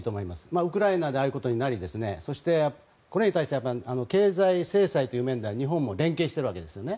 ウクライナでああいうことになりそしてこれに対しては経済制裁という面では日本も連携しているわけですよね。